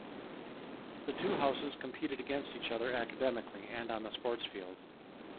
The two houses competed against each other academically and on the sports field.